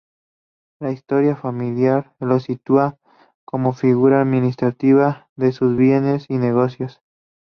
La historia familiar lo sitúa como figura administrativa de sus bienes y negocios.